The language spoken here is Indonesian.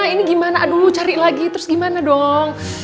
ini gimana dulu cari lagi terus gimana dong